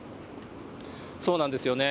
そうなんですよね。